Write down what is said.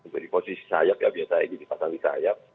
jadi posisi sayap ya biasa egy dipasang di sayap